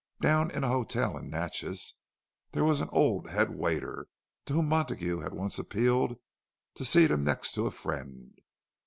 —Down in a hotel in Natchez there was an old head waiter, to whom Montague had once appealed to seat him next to a friend.